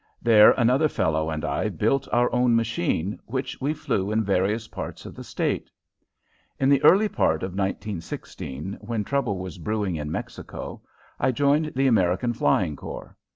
There another fellow and I built our own machine, which we flew in various parts of the state. In the early part of 1916, when trouble was brewing in Mexico, I joined the American Flying Corps.